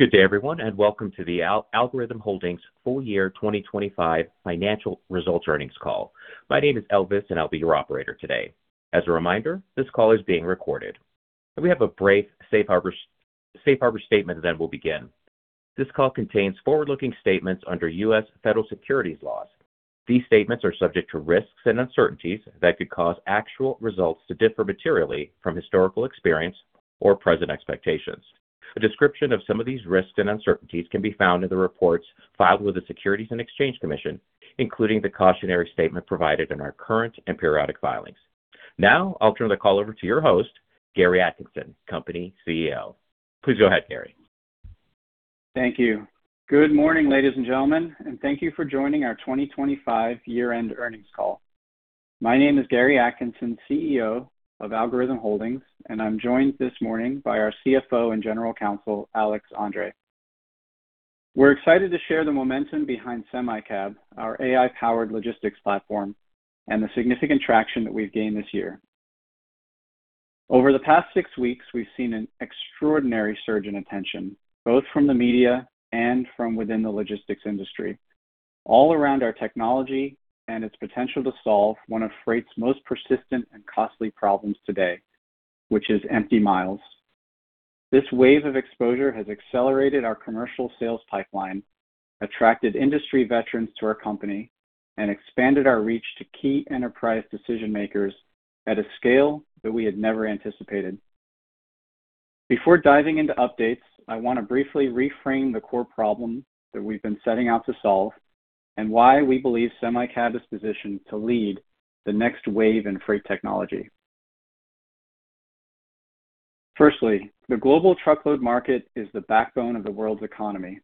Good day, everyone, and welcome to the Algorhythm Holdings Full-Year 2025 Financial Results Earnings Call. My name is Elvis and I'll be your operator today. As a reminder, this call is being recorded. We have a brief safe harbor statement that will begin. This call contains forward-looking statements under U.S. Federal Securities Laws. These statements are subject to risks and uncertainties that could cause actual results to differ materially from historical experience or present expectations. A description of some of these risks and uncertainties can be found in the reports filed with the Securities and Exchange Commission, including the cautionary statement provided in our current and periodic filings. Now, I'll turn the call over to your host, Gary Atkinson, company CEO. Please go ahead, Gary. Thank you. Good morning, ladies and gentlemen, and thank you for joining our 2025 Year-End Earnings Call. My name is Gary Atkinson, CEO of Algorhythm Holdings, and I'm joined this morning by our CFO and General Counsel, Alex Andre. We're excited to share the momentum behind SemiCab, our AI-powered logistics platform, and the significant traction that we've gained this year. Over the past six weeks, we've seen an extraordinary surge in attention, both from the media and from within the logistics industry, all around our technology and its potential to solve one of freight's most persistent and costly problems today, which is empty miles. This wave of exposure has accelerated our commercial sales pipeline, attracted industry veterans to our company, and expanded our reach to key enterprise decision-makers at a scale that we had never anticipated. Before diving into updates, I want to briefly reframe the core problem that we've been setting out to solve and why we believe SemiCab is positioned to lead the next wave in freight technology. Firstly, the global truckload market is the backbone of the world's economy.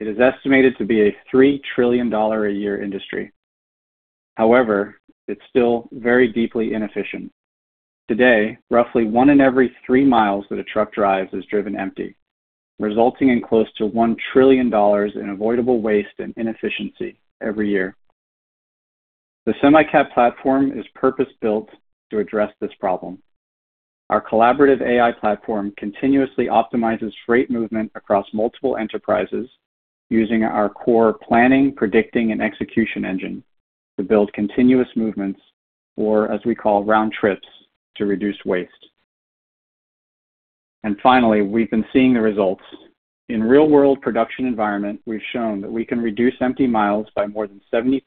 It is estimated to be a $3 trillion a year industry. However, it's still very deeply inefficient. Today, roughly one in every 3 mi that a truck drives is driven empty, resulting in close to $1 trillion in avoidable waste and inefficiency every year. The SemiCab platform is purpose-built to address this problem. Our collaborative AI platform continuously optimizes freight movement across multiple enterprises using our core planning, predicting, and execution engine to build continuous movements, or as we call round trips, to reduce waste. Finally, we've been seeing the results. In a real-world production environment, we've shown that we can reduce empty miles by more than 70%,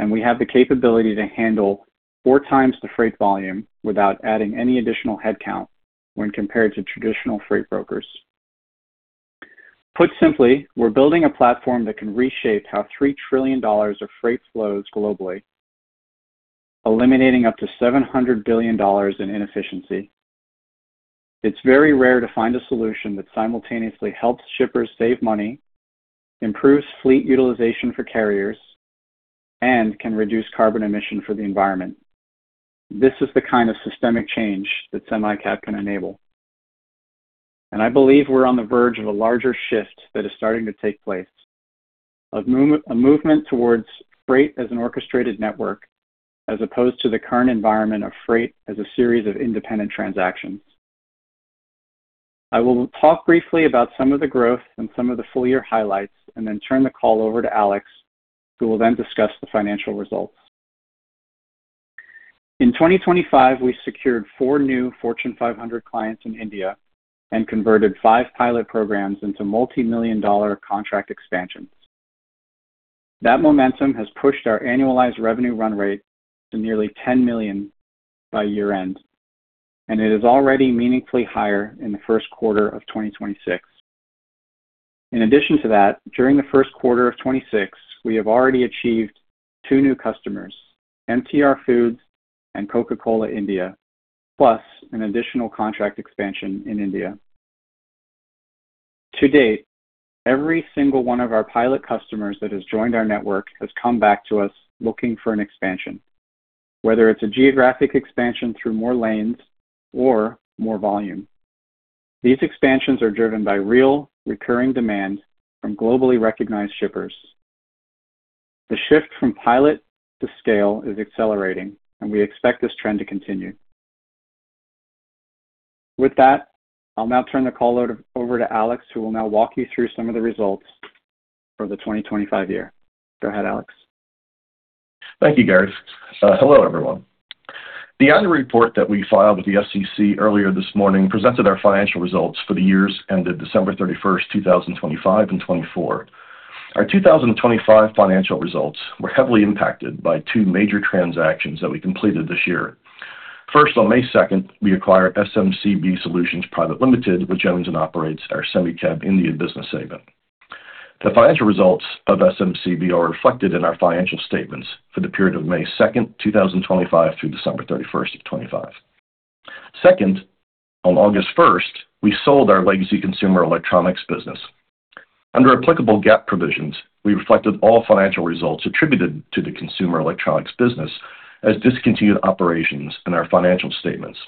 and we have the capability to handle 4x the freight volume without adding any additional headcount when compared to traditional freight brokers. Put simply, we're building a platform that can reshape how $3 trillion of freight flows globally, eliminating up to $700 billion in inefficiency. It's very rare to find a solution that simultaneously helps shippers save money, improves fleet utilization for carriers, and can reduce carbon emission for the environment. This is the kind of systemic change that SemiCab can enable. I believe we're on the verge of a larger shift that is starting to take place. A movement towards freight as an orchestrated network, as opposed to the current environment of freight as a series of independent transactions. I will talk briefly about some of the growth and some of the full-year highlights and then turn the call over to Alex, who will then discuss the financial results. In 2025, we secured four new Fortune 500 clients in India and converted five pilot programs into multi-million dollar contract expansions. That momentum has pushed our annualized revenue run rate to nearly $10 million by year-end, and it is already meaningfully higher in the first quarter of 2026. In addition to that, during the first quarter of 2026, we have already achieved two new customers, MTR Foods and Coca-Cola India, plus an additional contract expansion in India. To date, every single one of our pilot customers that has joined our network has come back to us looking for an expansion. Whether it's a geographic expansion through more lanes or more volume. These expansions are driven by real, recurring demand from globally recognized shippers. The shift from pilot to scale is accelerating, and we expect this trend to continue. With that, I'll now turn the call over to Alex, who will now walk you through some of the results for the 2025 year. Go ahead, Alex. Thank you, Gary. Hello, everyone. The annual report that we filed with the SEC earlier this morning presented our financial results for the years ended December 31st, 2025 and 2024. Our 2025 financial results were heavily impacted by two major transactions that we completed this year. First, on May 2nd, we acquired SMCB Solutions Private Limited, which owns and operates our SemiCab India business segment. The financial results of SMCB are reflected in our financial statements for the period of May 2nd, 2025 through December 31st, 2025. Second, on August 1st, we sold our legacy consumer electronics business. Under applicable GAAP provisions, we reflected all financial results attributed to the consumer electronics business as discontinued operations in our financial statements.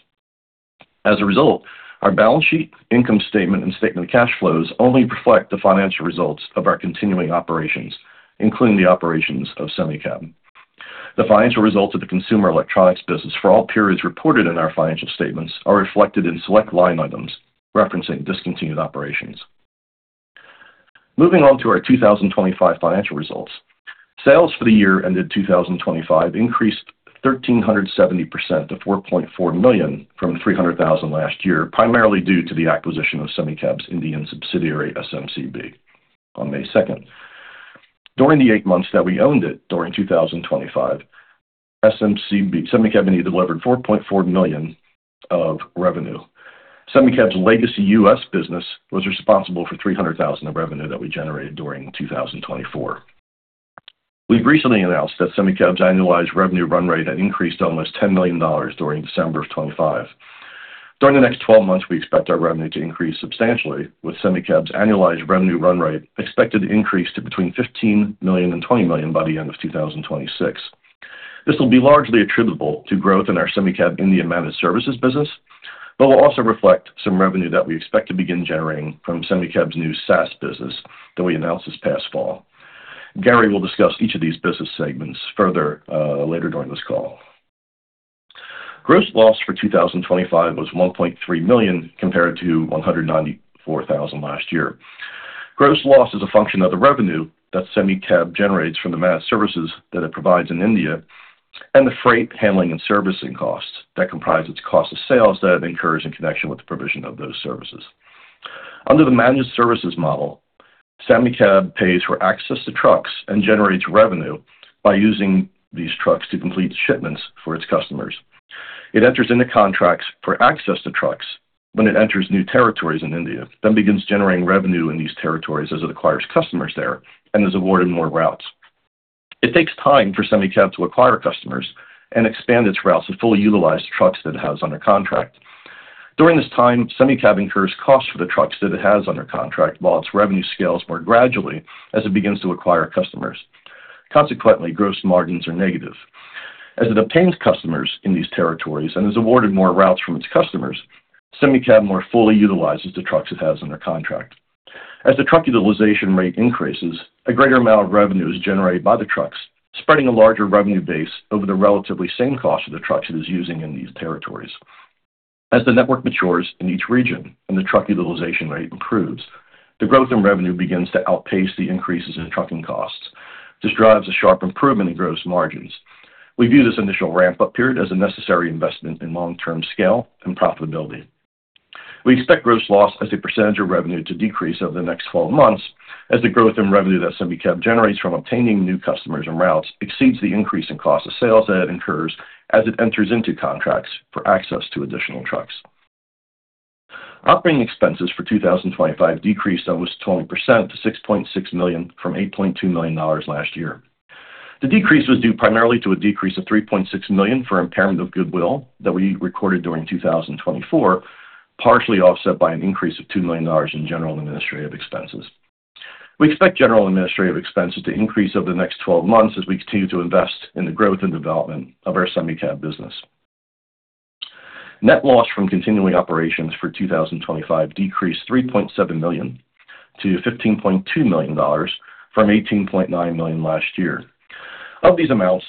As a result, our balance sheet, income statement, and statement of cash flows only reflect the financial results of our continuing operations, including the operations of SemiCab. The financial results of the consumer electronics business for all periods reported in our financial statements are reflected in select line items referencing discontinued operations. Moving on to our 2025 financial results. Sales for the year ended 2025 increased 1,370% to $4.4 million from $300,000 last year, primarily due to the acquisition of SemiCab's Indian subsidiary, SMCB, on May 2nd. During the eight months that we owned it during 2025, SMCB—SemiCab India delivered $4.4 million of revenue. SemiCab's legacy U.S. business was responsible for $300,000 of revenue that we generated during 2024. We've recently announced that SemiCab's annualized revenue run rate had increased to almost $10 million during December 2025. During the next 12 months, we expect our revenue to increase substantially with SemiCab's annualized revenue run rate expected to increase to between $15 million and $20 million by the end of 2026. This will be largely attributable to growth in our SemiCab India managed services business, but will also reflect some revenue that we expect to begin generating from SemiCab's new SaaS business that we announced this past fall. Gary will discuss each of these business segments further later during this call. Gross loss for 2025 was $1.3 million, compared to $194,000 last year. Gross loss is a function of the revenue that SemiCab generates from the managed services that it provides in India, and the freight handling and servicing costs that comprise its cost of sales that it incurs in connection with the provision of those services. Under the managed services model, SemiCab pays for access to trucks and generates revenue by using these trucks to complete shipments for its customers. It enters into contracts for access to trucks when it enters new territories in India, then begins generating revenue in these territories as it acquires customers there and is awarded more routes. It takes time for SemiCab to acquire customers and expand its routes to fully utilize trucks that it has under contract. During this time, SemiCab incurs costs for the trucks that it has under contract, while its revenue scales more gradually as it begins to acquire customers. Consequently, gross margins are negative. As it obtains customers in these territories and is awarded more routes from its customers, SemiCab more fully utilizes the trucks it has under contract. As the truck utilization rate increases, a greater amount of revenue is generated by the trucks, spreading a larger revenue base over the relatively same cost of the trucks it is using in these territories. As the network matures in each region and the truck utilization rate improves, the growth in revenue begins to outpace the increases in trucking costs. This drives a sharp improvement in gross margins. We view this initial ramp-up period as a necessary investment in long-term scale and profitability. We expect gross loss as a percentage of revenue to decrease over the next 12 months as the growth in revenue that SemiCab generates from obtaining new customers and routes exceeds the increase in cost of sales that it incurs as it enters into contracts for access to additional trucks. Operating expenses for 2025 decreased almost 20% to $6.6 million from $8.2 million last year. The decrease was due primarily to a decrease of $3.6 million for impairment of goodwill that we recorded during 2024, partially offset by an increase of $2 million in general and administrative expenses. We expect general and administrative expenses to increase over the next 12 months as we continue to invest in the growth and development of our SemiCab business. Net loss from continuing operations for 2025 decreased $3.7 million to $15.2 million from $18.9 million last year. Of these amounts,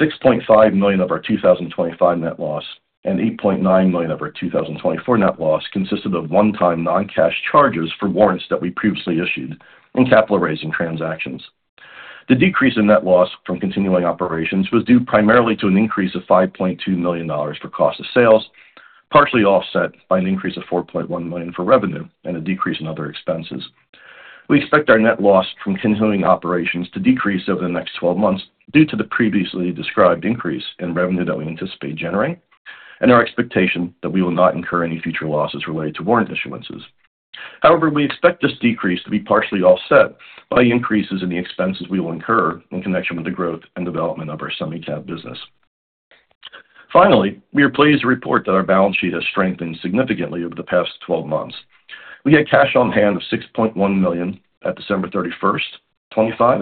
$6.5 million of our 2025 net loss and $8.9 million of our 2024 net loss consisted of 1x non-cash charges for warrants that we previously issued in capital-raising transactions. The decrease in net loss from continuing operations was due primarily to an increase of $5.2 million for cost of sales, partially offset by an increase of $4.1 million for revenue and a decrease in other expenses. We expect our net loss from continuing operations to decrease over the next 12 months due to the previously described increase in revenue that we anticipate generating and our expectation that we will not incur any future losses related to warrant issuances. However, we expect this decrease to be partially offset by increases in the expenses we will incur in connection with the growth and development of our SemiCab business. Finally, we are pleased to report that our balance sheet has strengthened significantly over the past 12 months. We had cash on hand of $6.1 million at December 31st, 2025,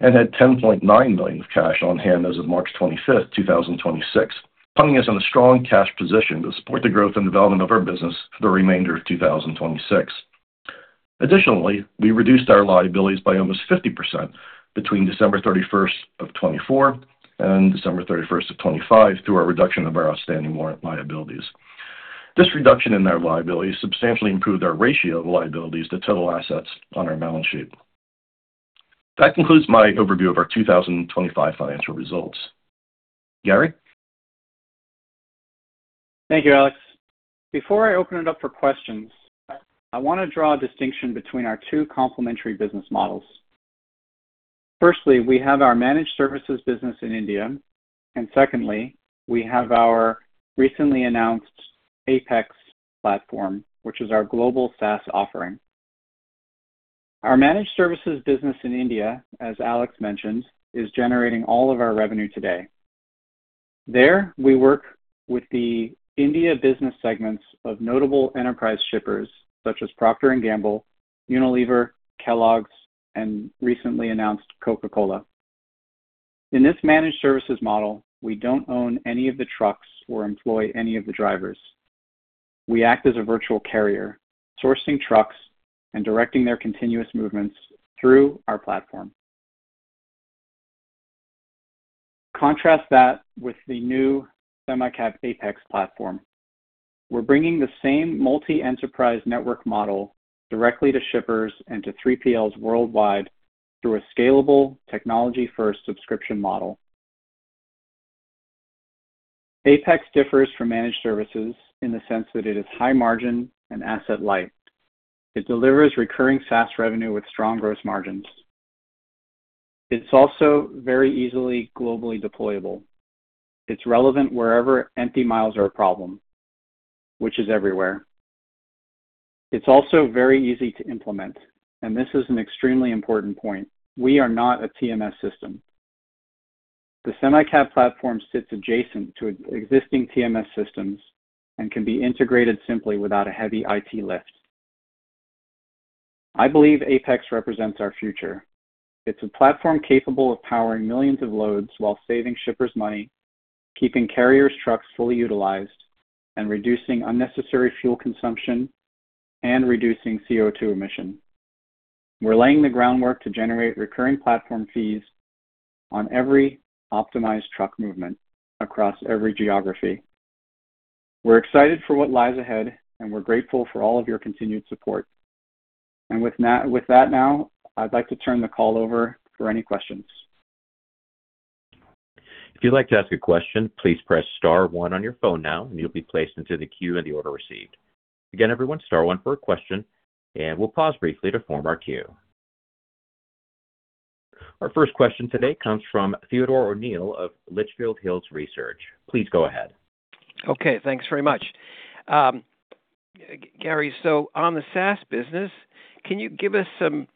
and had $10.9 million of cash on hand as of March 25th, 2026, putting us in a strong cash position to support the growth and development of our business for the remainder of 2026. Additionally, we reduced our liabilities by almost 50% between December 31st, 2024 and December 31st, 2025 through our reduction of our outstanding warrant liabilities. This reduction in our liabilities substantially improved our ratio of liabilities to total assets on our balance sheet. That concludes my overview of our 2025 financial results. Gary? Thank you, Alex. Before I open it up for questions, I want to draw a distinction between our two complementary business models. First, we have our managed services business in India, and second, we have our recently announced Apex platform, which is our global SaaS offering. Our managed services business in India, as Alex mentioned, is generating all of our revenue today. There, we work with the India business segments of notable enterprise shippers such as Procter & Gamble, Unilever, Kellogg's, and recently announced Coca-Cola. In this managed services model, we don't own any of the trucks or employ any of the drivers. We act as a virtual carrier, sourcing trucks and directing their continuous movements through our platform. Contrast that with the new SemiCab Apex platform. We're bringing the same multi-enterprise network model directly to shippers and to 3PLs worldwide through a scalable technology-first subscription model. Apex differs from managed services in the sense that it is high margin and asset light. It delivers recurring SaaS revenue with strong gross margins. It's also very easily globally deployable. It's relevant wherever empty miles are a problem, which is everywhere. It's also very easy to implement, and this is an extremely important point. We are not a TMS system. The SemiCab platform sits adjacent to existing TMS systems and can be integrated simply without a heavy IT lift. I believe Apex represents our future. It's a platform capable of powering millions of loads while saving shippers' money, keeping carriers' trucks fully utilized, and reducing unnecessary fuel consumption and reducing CO2 emission. We're laying the groundwork to generate recurring platform fees on every optimized truck movement across every geography. We're excited for what lies ahead, and we're grateful for all of your continued support. With that now, I'd like to turn the call over for any questions. If you'd like to ask a question, please press star one on your phone now, and you'll be placed into the queue in the order received. Again, everyone, star one for a question, and we'll pause briefly to form our queue. Our first question today comes from Theodore O'Neill of Litchfield Hills Research. Please go ahead. Okay, thanks very much. Gary, on the SaaS business, can you give us some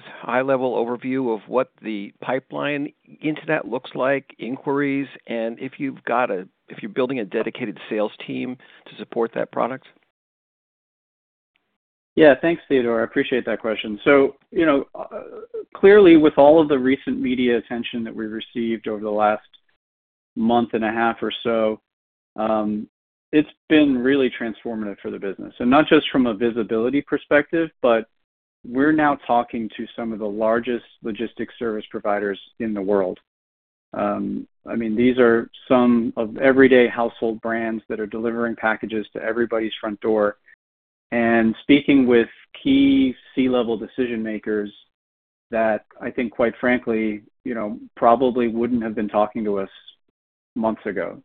high-level overview of what the pipeline into that looks like, inquiries, and if you're building a dedicated sales team to support that product? Yeah. Thanks, Theodore. I appreciate that question. You know, clearly, with all of the recent media attention that we've received over the last month and a half or so, it's been really transformative for the business. Not just from a visibility perspective, but we're now talking to some of the largest logistics service providers in the world. I mean, these are some of everyday household brands that are delivering packages to everybody's front door. Speaking with key C-level decision-makers that I think, quite frankly, you know, probably wouldn't have been talking to us months ago.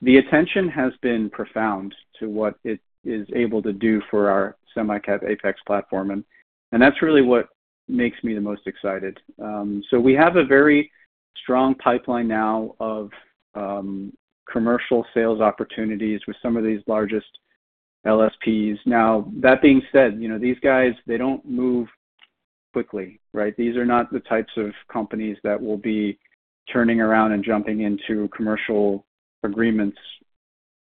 The attention has been profound to what it is able to do for our SemiCab Apex platform, and that's really what makes me the most excited. We have a very strong pipeline now of commercial sales opportunities with some of these largest LSPs. Now, that being said, you know, these guys, they don't move quickly, right? These are not the types of companies that will be turning around and jumping into commercial agreements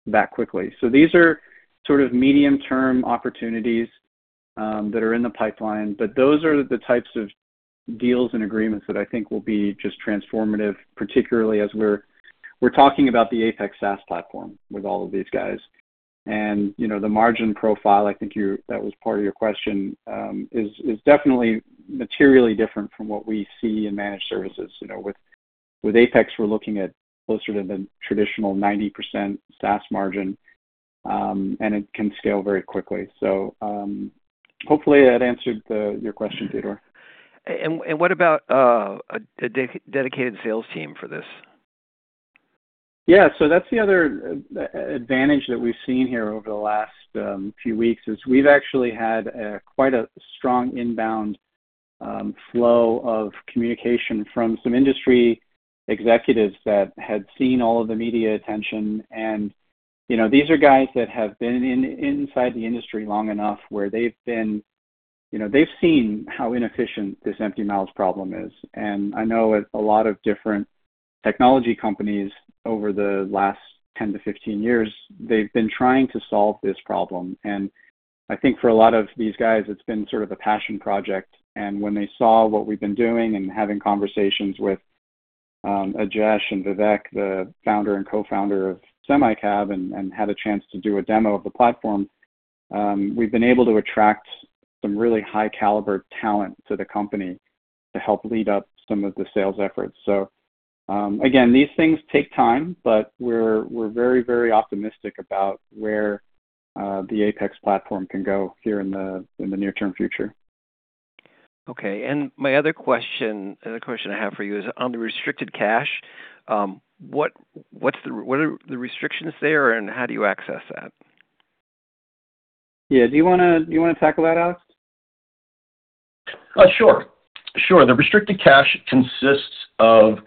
that quickly. These are sort of medium-term opportunities that are in the pipeline. Those are the types of deals and agreements that I think will be just transformative, particularly as we're talking about the Apex SaaS platform with all of these guys. You know, the margin profile, I think that was part of your question, is definitely materially different from what we see in managed services. You know, with Apex, we're looking at closer to the traditional 90% SaaS margin, and it can scale very quickly. Hopefully that answered your question, Theodore. What about a dedicated sales team for this? Yeah. That's the other advantage that we've seen here over the last few weeks, is we've actually had quite a strong inbound flow of communication from some industry executives that had seen all of the media attention. You know, these are guys that have been inside the industry long enough where they've been. You know, they've seen how inefficient this empty miles problem is. I know a lot of different technology companies over the last 10-15 years, they've been trying to solve this problem. I think for a lot of these guys, it's been sort of a passion project. When they saw what we've been doing and having conversations with Ajesh and Vivek, the founder and co-founder of SemiCab, and had a chance to do a demo of the platform, we've been able to attract some really high-caliber talent to the company to help lead up some of the sales efforts. Again, these things take time, but we're very, very optimistic about where the Apex platform can go here in the near-term future. Okay. My other question, the question I have for you is on the restricted cash, what are the restrictions there, and how do you access that? Yeah. Do you wanna tackle that, Alex? Sure. The restricted cash consists of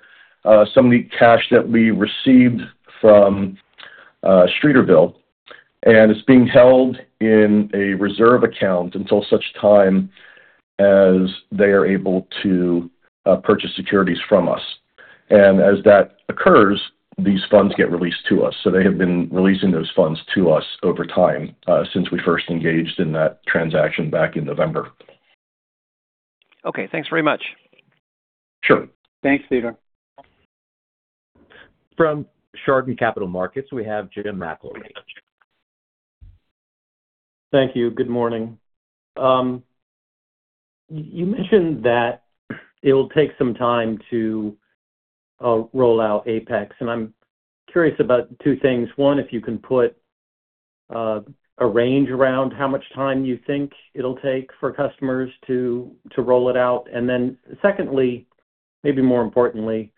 some of the cash that we received from Streeterville, and it's being held in a reserve account until such time as they are able to purchase securities from us. As that occurs, these funds get released to us. They have been releasing those funds to us over time since we first engaged in that transaction back in November. Okay, thanks very much. Sure. Thanks, Theodore. From Chardan Capital Markets, we have Jim McIlree. Thank you. Good morning. You mentioned that it'll take some time to roll out Apex, and I'm curious about two things. One, if you can put a range around how much time you think it'll take for customers to roll it out. Secondly, maybe more importantly,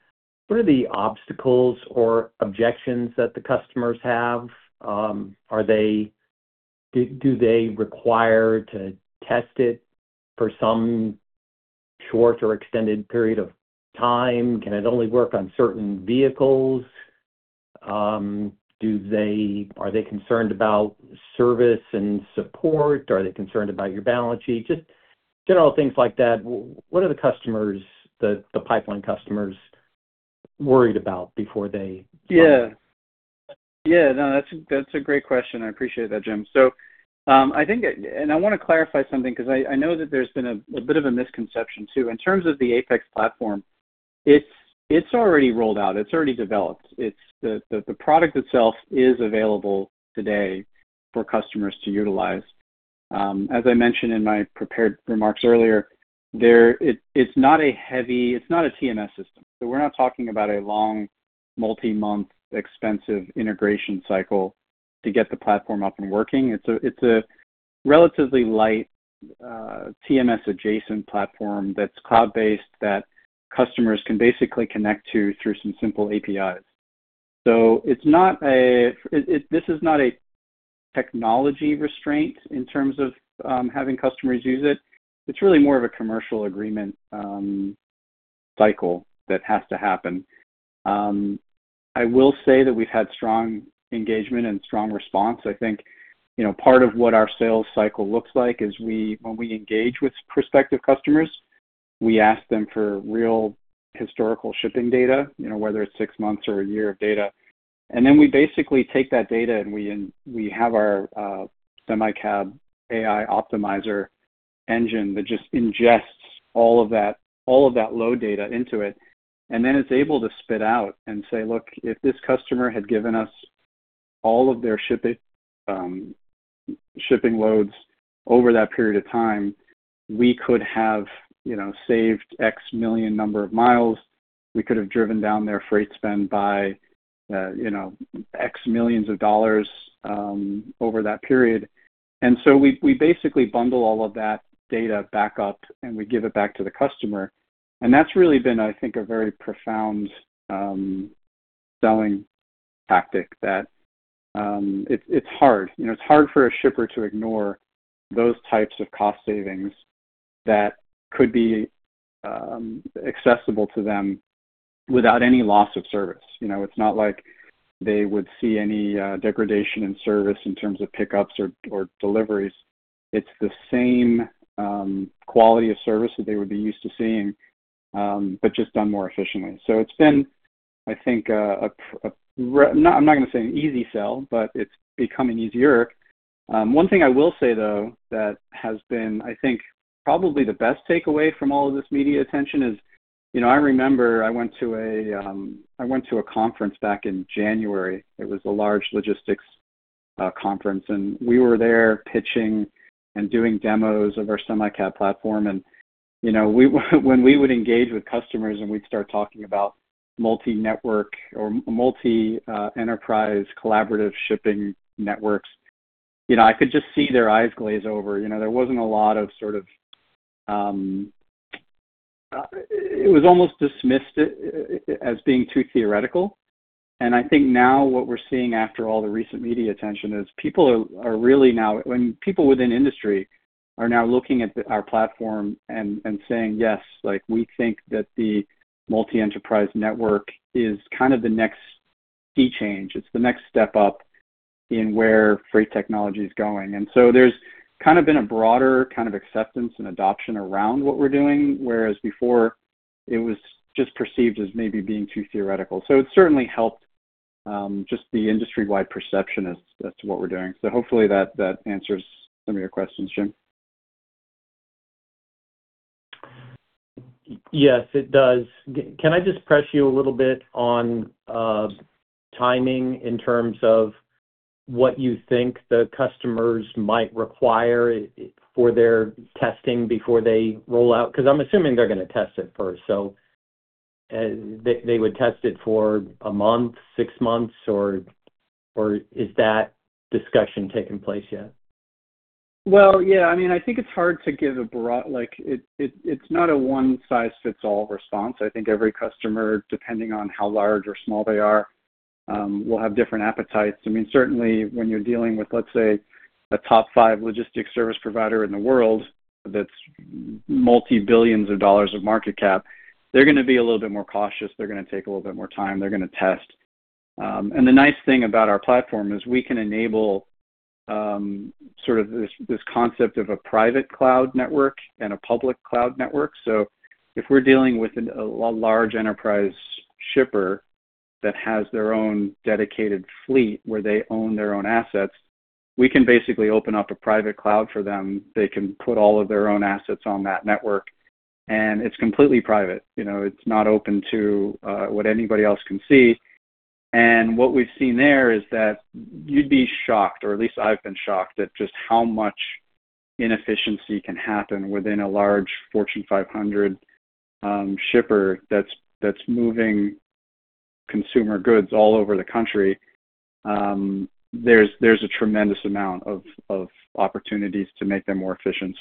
what are the obstacles or objections that the customers have? Do they require to test it for some short or extended period of time? Can it only work on certain vehicles? Are they concerned about service and support? Are they concerned about your balance sheet? Just general things like that. What are the customers, the pipeline customers worried about before they- Yeah. Yeah, no, that's a great question. I appreciate that, Jim. I think I wanna clarify something because I know that there's been a bit of a misconception too. In terms of the Apex platform, it's already rolled out. It's already developed. It's the product itself is available today for customers to utilize. As I mentioned in my prepared remarks earlier, it's not a TMS system, so we're not talking about a long, multi-month, expensive integration cycle to get the platform up and working. It's a relatively light, TMS-adjacent platform that's cloud-based that customers can basically connect to through some simple APIs. This is not a technology restraint in terms of having customers use it. It's really more of a commercial agreement cycle that has to happen. I will say that we've had strong engagement and strong response. I think, you know, part of what our sales cycle looks like is when we engage with prospective customers, we ask them for real historical shipping data, you know, whether it's six months or a year of data. Then we basically take that data, and we have our SemiCab AI optimizer engine that just ingests all of that load data into it. Then it's able to spit out and say, "Look, if this customer had given us all of their shipping shipping loads over that period of time, we could have, you know, saved X million number of miles. We could have driven down their freight spend by, you know, X millions of dollars, over that period." We basically bundle all of that data back up, and we give it back to the customer. That's really been, I think, a very profound selling tactic that, it's hard. You know, it's hard for a shipper to ignore those types of cost savings that could be, accessible to them without any loss of service. You know, it's not like they would see any, degradation in service in terms of pickups or deliveries. It's the same, quality of service that they would be used to seeing, but just done more efficiently. It's been, I think, I'm not gonna say an easy sell, but it's becoming easier. One thing I will say, though, that has been, I think, probably the best takeaway from all of this media attention is, you know, I remember I went to a conference back in January. It was a large logistics conference, and we were there pitching and doing demos of our SemiCab platform. You know, when we would engage with customers and we'd start talking about multi-network or multi-enterprise collaborative shipping networks, you know, I could just see their eyes glaze over. You know, it was almost dismissed as being too theoretical. I think now what we're seeing after all the recent media attention is people are really now when people within industry are now looking at our platform and saying, "Yes, like, we think that the multi-enterprise network is kind of the next key change. It's the next step up in where freight technology is going." There's kind of been a broader kind of acceptance and adoption around what we're doing, whereas before it was just perceived as maybe being too theoretical. It certainly helped just the industry-wide perception as to what we're doing. Hopefully that answers some of your questions, Jim. Yes, it does. Can I just press you a little bit on timing in terms of what you think the customers might require for their testing before they roll out? Because I'm assuming they're gonna test it first. They would test it for a month, six months, or is that discussion taking place yet? Well, yeah. I mean, I think it's hard to give a broad. Like, it's not a one-size-fits-all response. I think every customer, depending on how large or small they are, will have different appetites. I mean, certainly when you're dealing with, let's say, a top five logistics service provider in the world that's multi-billions of dollar market cap, they're gonna be a little bit more cautious. They're gonna take a little bit more time. They're gonna test. The nice thing about our platform is we can enable sort of this concept of a private cloud network and a public cloud network. If we're dealing with a large enterprise shipper that has their own dedicated fleet, where they own their own assets, we can basically open up a private cloud for them. They can put all of their own assets on that network, and it's completely private. You know, it's not open to what anybody else can see. What we've seen there is that you'd be shocked, or at least I've been shocked, at just how much inefficiency can happen within a large Fortune 500 shipper that's moving consumer goods all over the country. There's a tremendous amount of opportunities to make them more efficient.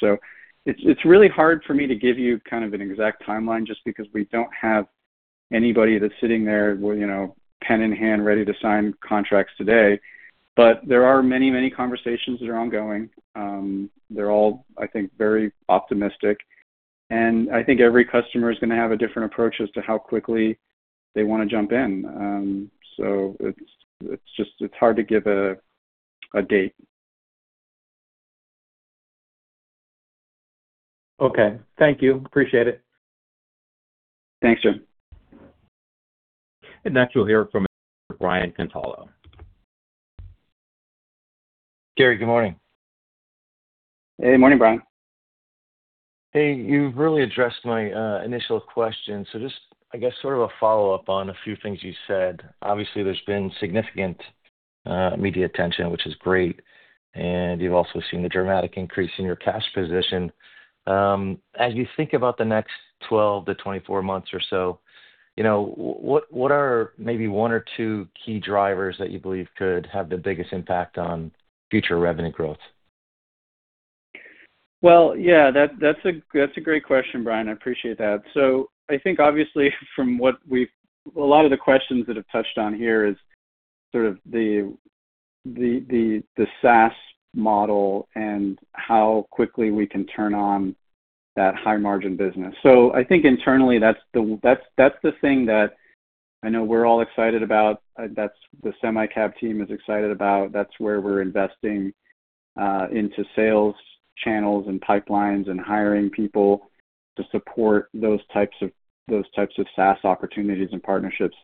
It's really hard for me to give you kind of an exact timeline just because we don't have anybody that's sitting there with, you know, pen in hand, ready to sign contracts today. There are many conversations that are ongoing. They're all, I think, very optimistic, and I think every customer is going to have a different approach as to how quickly they want to jump in. It's just hard to give a date. Okay. Thank you. Appreciate it. Thanks, Jim. Next, we'll hear from Brian Kinstlinger. Gary, good morning. Hey, morning, Brian. Hey, you've really addressed my initial question. Just I guess sort of a follow-up on a few things you said. Obviously, there's been significant media attention, which is great, and you've also seen the dramatic increase in your cash position. As you think about the next 12-24 months or so, you know, what are maybe one or two key drivers that you believe could have the biggest impact on future revenue growth? Well, yeah, that's a great question, Brian. I appreciate that. I think obviously a lot of the questions that have touched on here is sort of the SaaS model and how quickly we can turn on that high-margin business. I think internally, that's the thing that I know we're all excited about, that the SemiCab team is excited about. That's where we're investing into sales channels and pipelines and hiring people to support those types of SaaS opportunities and partnerships.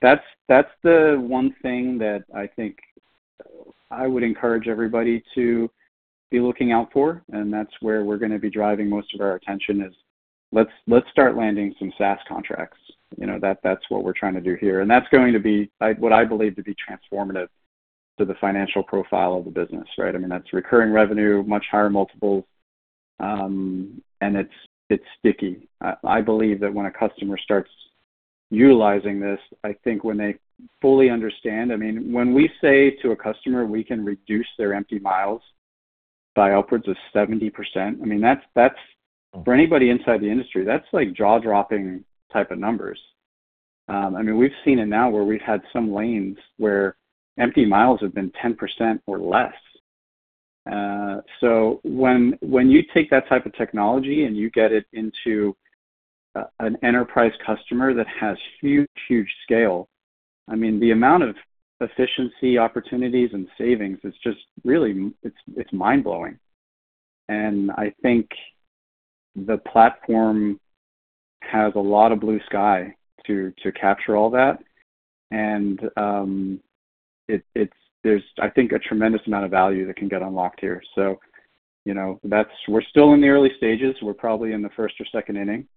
That's the one thing that I think I would encourage everybody to be looking out for, and that's where we're going to be driving most of our attention is let's start landing some SaaS contracts. You know, that's what we're trying to do here. That's going to be what I believe to be transformative to the financial profile of the business, right? I mean, that's recurring revenue, much higher multiples, and it's sticky. I believe that when a customer starts utilizing this, I mean, when we say to a customer we can reduce their empty miles by upwards of 70%, that's for anybody inside the industry like jaw-dropping type of numbers. I mean, we've seen it now where we've had some lanes where empty miles have been 10% or less. So when you take that type of technology and you get it into an enterprise customer that has huge scale, I mean, the amount of efficiency opportunities and savings is just really mind-blowing. I think the platform has a lot of blue sky to capture all that. I think there's a tremendous amount of value that can get unlocked here. You know, we're still in the early stages. We're probably in the first or second inning.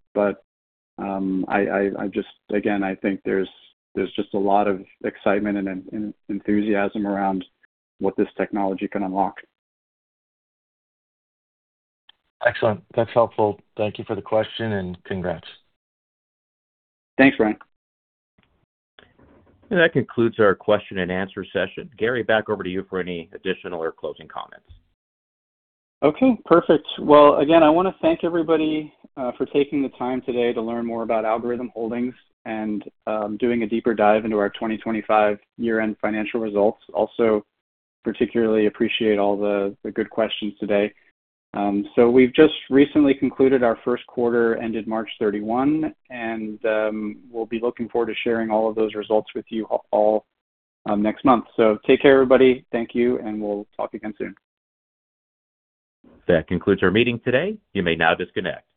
Again, I just think there's just a lot of excitement and enthusiasm around what this technology can unlock. Excellent. That's helpful. Thank you for the question, and congrats. Thanks, Brian. That concludes our question and answer session. Gary, back over to you for any additional or closing comments. Okay. Perfect. Well, again, I want to thank everybody for taking the time today to learn more about Algorhythm Holdings and doing a deeper dive into our 2025 year-end financial results. Also, particularly appreciate all the good questions today. We've just recently concluded our first quarter, ended March 31, and we'll be looking forward to sharing all of those results with you all next month. Take care, everybody. Thank you, and we'll talk again soon. That concludes our meeting today. You may now disconnect.